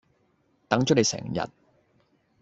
等咗你成日